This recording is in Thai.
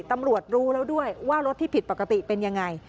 ตำรวจรู้แล้วด้วยว่ารถที่ผิดปกติเป็นอย่างไร